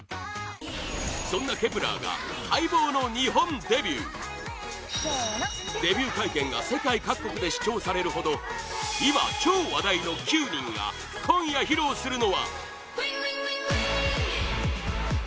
そんな Ｋｅｐ１ｅｒ が待望の日本デビューデビュー会見が世界各国で視聴されるほど今、超話題の９人が今夜披露するのは